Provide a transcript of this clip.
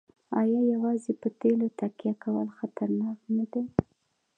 آیا یوازې په تیلو تکیه کول خطرناک نه دي؟